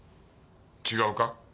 違うか？